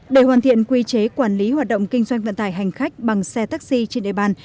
để hoàn thiện quy chế quản lý hoạt động kinh doanh vận tải hành khách bằng xe taxi trên địa bàn